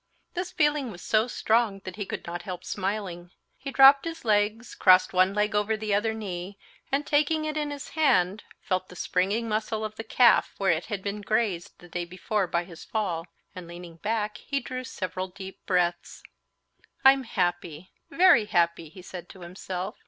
This feeling was so strong that he could not help smiling. He dropped his legs, crossed one leg over the other knee, and taking it in his hand, felt the springy muscle of the calf, where it had been grazed the day before by his fall, and leaning back he drew several deep breaths. "I'm happy, very happy!" he said to himself.